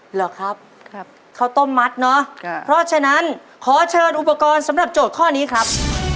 เหรอครับข้าวต้มมัดเนอะเพราะฉะนั้นขอเชิญอุปกรณ์สำหรับโจทย์ข้อนี้ครับ